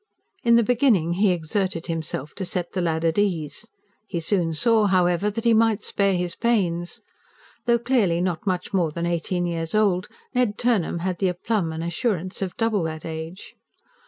In the beginning he exerted himself to set the lad at ease. He soon saw, however, that he might spare his pains. Though clearly not much more than eighteen years old, Ned Turnharn had the aplomb and assurance of double that age.